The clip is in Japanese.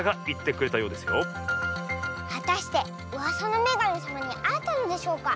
はたしてうわさのめがみさまにあえたのでしょうか？